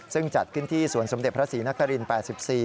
ซึ่งจัดกินที่สวรรค์สมเด็จพระศรีนักษรินตร์๘๔